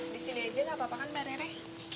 di sini aja gak apa apa kan mbak rere